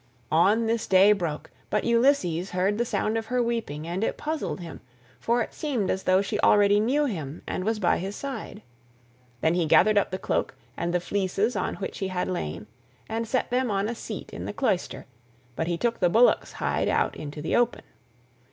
On this the day broke, but Ulysses heard the sound of her weeping, and it puzzled him, for it seemed as though she already knew him and was by his side. Then he gathered up the cloak and the fleeces on which he had lain, and set them on a seat in the cloister, but he took the bullock's hide out into the open.